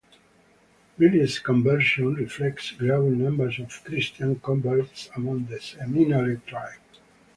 Billie’s conversion reflects growing numbers of Christian converts among the Seminole tribe.